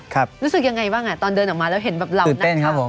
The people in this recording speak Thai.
ครับรู้สึกยังไงบ้างอ่ะตอนเดินออกมาแล้วเห็นแบบเราตื่นเต้นครับผม